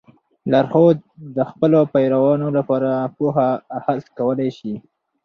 لارښود د خپلو پیروانو لپاره پوهه اخذ کولی شي.